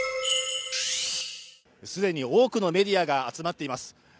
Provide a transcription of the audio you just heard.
既に多くのメディアが集まっています。